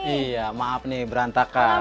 iya maaf nih berantakan